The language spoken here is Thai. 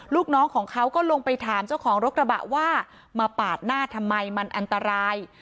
ลูกน้องของเขาก็ลงไปถามเจ้าของรถกระบะว่ามาปาดหน้าทำไมมันอันตราย